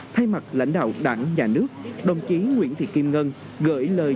thay mặt lãnh đạo đảng nhà nước đồng chí nguyễn thị kim ngân gửi lời